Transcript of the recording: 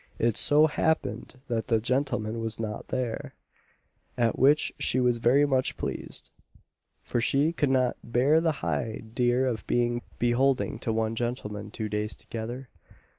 It so happened that the gentleman was not there; at which she was very much pleased; for she could not "bear the highdear of being beholding to one gentleman two days together."